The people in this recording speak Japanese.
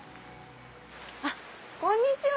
あっこんにちは。